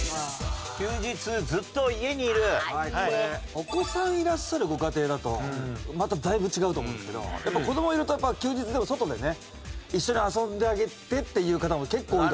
お子さんいらっしゃるご家庭だとまただいぶ違うと思うんですけど子供いるとやっぱ休日でも外でね一緒に遊んであげてっていう方も結構多いと思うので。